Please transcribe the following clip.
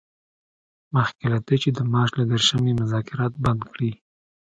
مخکې له دې چې د مارچ له دیرشمې مذاکرات بند کړي.